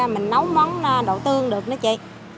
mình nấu món đậu tương được nữa chị